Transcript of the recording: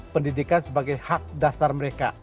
pendidikan sebagai hak dasar mereka